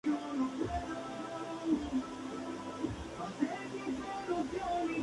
Resultaba triunfador el jinete con mayor puntuación total.